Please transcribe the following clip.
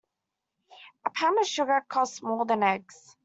A pound of sugar costs more than eggs.